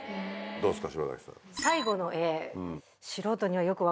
どうですか？